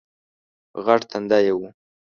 غټ تندی یې وو